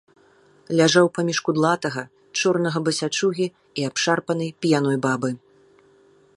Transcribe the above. Ляжаў паміж кудлатага, чорнага басячугі і абшарпанай п'яной бабы.